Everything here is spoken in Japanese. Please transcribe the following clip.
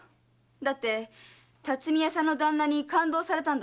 だって巽屋さんの旦那に勘当されたんだろ？